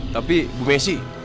tapi bu messi